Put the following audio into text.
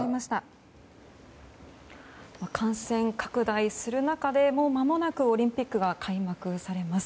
感染拡大する中でもうまもなくオリンピックが開幕されます。